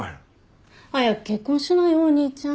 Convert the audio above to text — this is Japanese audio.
早く結婚しなよお兄ちゃん。